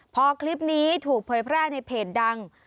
พอคลิปนี้ถูกเผยแพร่ในเพจดัง